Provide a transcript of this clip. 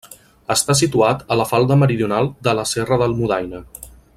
Està situat a la falda meridional de la Serra d'Almudaina.